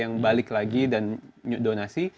yang balik lagi dan donasi